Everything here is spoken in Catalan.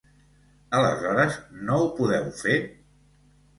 Aleshores no ho podeu fer?